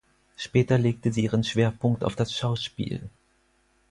Später legte sie ihren Schwerpunkt auf das Schauspiel.